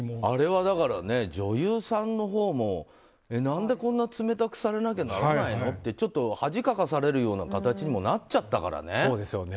あれは女優さんのほうもなんでこんな冷たくされなきゃならないのってちょっと恥をかかされるような形にもなっちゃったからね。